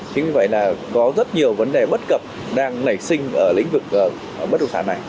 chính vì vậy là có rất nhiều vấn đề bất cập đang nảy sinh ở lĩnh vực bất động sản này